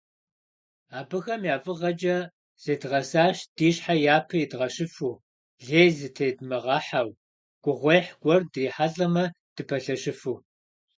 Абыхэм я фӀыгъэкӀэ зедгъэсащ ди щхьэ япэ идгъэщыфу, лей зытедмыгъэхьэу, гугъуехь гуэр дрихьэлӀамэ, дыпэлъэщыфу.